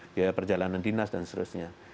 biaya perjalanan dinas dan seterusnya